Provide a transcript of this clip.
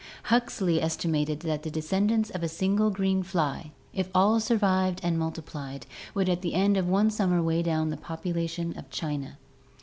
Huxley estimated that the descendants of a single green fly, if all survived and multiplied, would at the end of one summer weigh down the population of China.